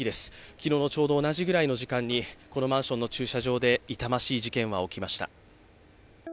昨日のちょうど同じぐらいの時間にこのマンションの駐車場で痛ましい事件は起きました。